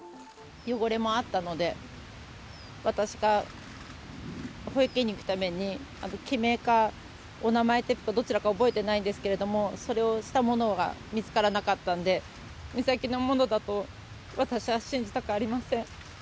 汚れもあったので、私が保育園に行くために、記名か、お名前テープかどちらか覚えてないですけれども、それをしたものが見つからなかったんで、美咲のものだと私は信じたくありません。